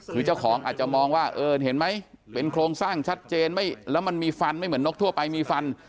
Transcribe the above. คือเจ้าของอาจจะมองว่าเออเห็นไหมเป็นโครงสร้างชัดเจนแล้วมันมีฟันไม่เหมือนนกทั่วไปมีฟัน